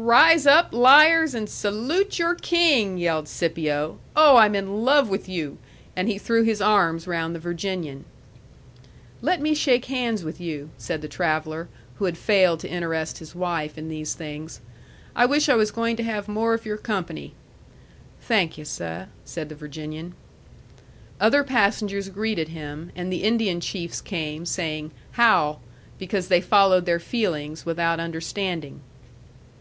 "Rise up, liars, and salute your king!" yelled Scipio. "Oh, I'm in love with you!" And he threw his arms round the Virginian. "Let me shake hands with you," said the traveller, who had failed to interest his wife in these things. "I wish I was going to have more of your company." "Thank ye', seh," said the Virginian. Other passengers greeted him, and the Indian chiefs came, saying, "How!" because they followed their feelings without understanding.